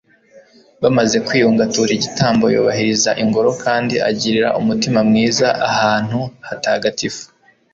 bamaze kwiyunga atura igitambo, yubahiriza ingoro kandi agirira umutima mwiza ahantu hatagatifu